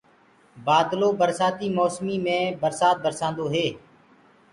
بآدلو برشآتيٚ موسميٚ مي برسآت برسآنٚدو هي